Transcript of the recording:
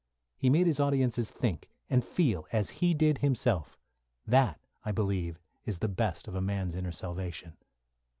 He made his audiences think and feel as he did himself. That, I believe, is the best of a man's inner salvation.